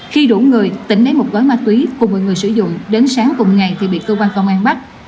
khi đủ người tỉnh lấy một gói ma túy cùng mọi người sử dụng đến sáng cùng ngày thì bị cơ quan công an bắt